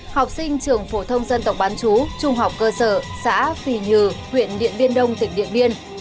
học sinh trường phổ thông dân tộc bán chú trung học cơ sở xã phì nhừ huyện điện biên đông tỉnh điện biên